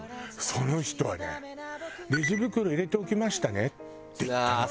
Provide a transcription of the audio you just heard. その人はね「レジ袋入れておきましたね」って言ったの。